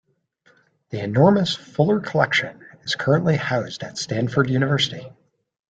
The enormous Fuller Collection is currently housed at Stanford University.